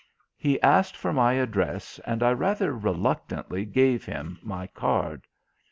He asked for my address, and I rather reluctantly gave him my card.